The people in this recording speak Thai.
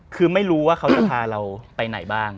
คือไม่รู้ว่าเขาจะพาเราไปไหนบ้าง